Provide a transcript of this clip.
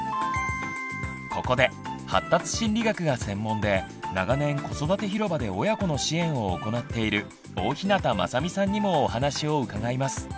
ここで発達心理学が専門で長年子育てひろばで親子の支援を行っている大日向雅美さんにもお話を伺います。